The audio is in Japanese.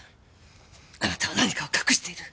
あなたは何かを隠している。